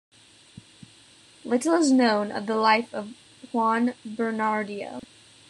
Little is known of the life of Juan Bernardino.